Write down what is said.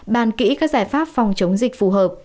bàn kỹ các giải pháp phòng chống dịch phù hợp